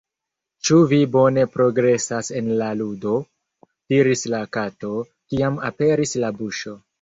"Ĉu vi bone progresas en la ludo?" diris la Kato, kiam aperis la buŝo.